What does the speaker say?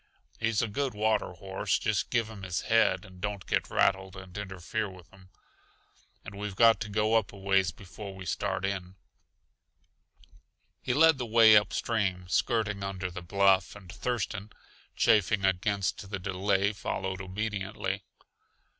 He's a good water horse, just give him his head and don't get rattled and interfere with him. And we've got to go up a ways before we start in." He led the way upstream, skirting under the bluff, and Thurston, chafing against the delay, followed obediently.